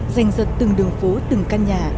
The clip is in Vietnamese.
giành giật từng đường phố từng căn hộ